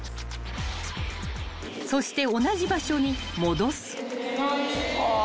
［そして同じ場所に戻す］は。